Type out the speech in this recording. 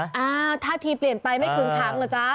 อ้าวท่าทีเปลี่ยนไปไม่ทุนขังเหรอจ๊ะ